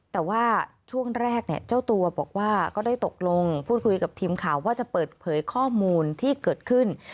แต่ว่าช่วงแรกเนี่ยเจ้าตัวบอกว่าก็ได้ตกลงพูดคุยกับทีมข่าวว่าจะเปิดเผยข้อมูลที่เกิดขึ้น